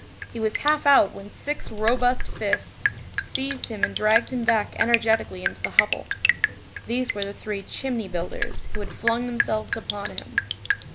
He was half out when six robust fists seized him and dragged him back energetically into the hovel. These were the three "chimney builders," who had flung themselves upon him.